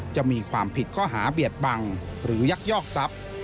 จะมีความผิดข้อหาเบียดบังหรือยักยอกทรัพย์